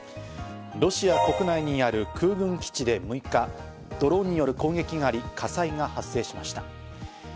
ロシア国内にある空軍基地で６日、ドローンによる攻撃があり、火災が発生しました。